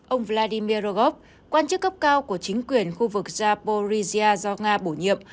ông vladimir rogov quan chức cấp cao của chính quyền khu vực zaporizhia do nga bổ nhiệm